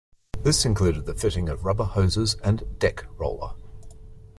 This included the fitting of rubber hoses and deck roller.